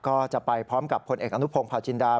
ก็จะไปพร้อมกับผลเอกอนุพงศ์พาจินดา